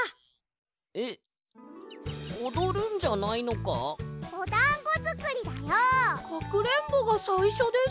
かくれんぼがさいしょです！